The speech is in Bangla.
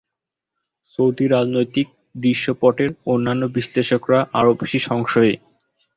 সৌদি রাজনৈতিক দৃশ্যপটের অন্যান্য বিশ্লেষকরা আরো বেশি সংশয়ী।